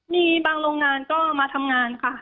มีบางโรงงานก็มาทำงานค่ะ